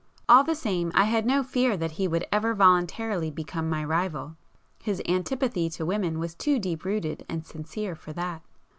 All the same I had no fear that he would ever voluntarily become my rival,—his antipathy to women was too deep rooted and sincere for that.